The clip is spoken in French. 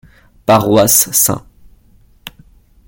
Paroisse St.